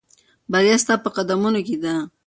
بریا ستا په قدمونو کې ده.